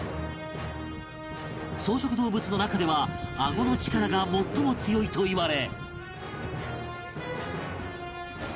草食動物の中ではあごの力が最も強いといわれ